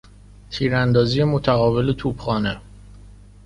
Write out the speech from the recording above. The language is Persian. تیراندازی متقابل توپخانه